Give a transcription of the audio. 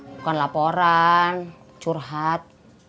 bukan laporan curhat